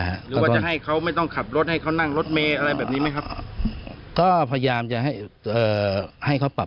หรือว่าจะให้เขาไม่ต้องขับรถให้เขานั่งรถเมล์อะไรแบบนี้ไหมครับ